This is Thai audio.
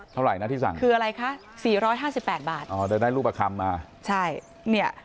เท่าไหร่นะที่สั่งคืออะไรคะ๔๕๘บาทเดี๋ยวได้ลูกประคำมาใช่นี่